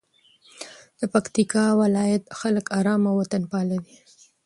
د پکتیکا ولایت خلک آرام او وطنپاله دي.